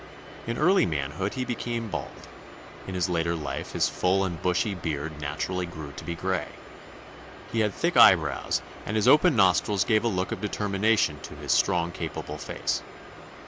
In early manhood he became bald; in his latter life his full and bushy beard naturally grew to be gray. He had thick eyebrows, and his open nostrils gave a look of determination to his strong capable face.